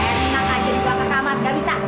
cintotak aja dikakak kamar ga bisa